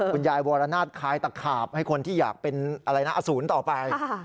คุณยายวรนาศคลายตะขาบให้คนที่อยากเป็นอสูรต่อไป